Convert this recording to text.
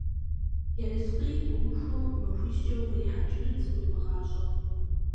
Ерыскъыи Ӏумыхуэу, махуищкӏэ укърихьэкӀынут зыкъыуимыгъащӀэу.